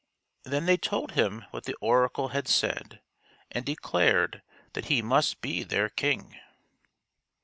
Then they told him what the oracle had said, and declared that he must be their king.